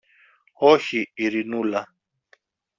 Όχι, Ειρηνούλα.